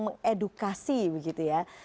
mengedukasi begitu ya